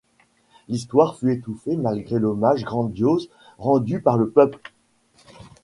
L'histoire fut étouffée malgré l'hommage grandiose rendu par le peuple.